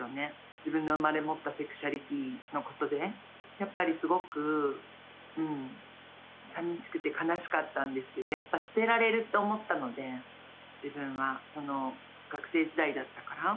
自分の生まれ持ったセクシャリティーのことで、やっぱりすごくさみしくて悲しかったんですけど、やっぱり捨てられると思ったので、自分は、その学生時代だったから。